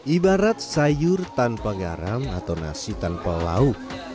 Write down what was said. ibarat sayur tanpa garam atau nasi tanpa lauk